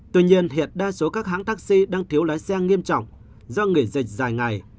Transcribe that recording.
tuy nhiên hiện đa số các hãng taxi đang thiếu lái xe nghiêm trọng do nghỉ dịch dài ngày